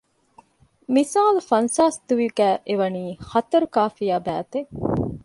މިސާލު ފަންސާސް ދުވި ގައި އެ ވަނީ ހަތަރުކާފިޔާ ބައިތެއް